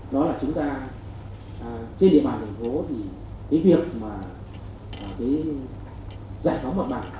đó là chúng ta trên địa bàn thành phố thì cái việc mà cái dạy đóng mặt bằng